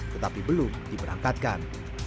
tetapi belum diberangkatkan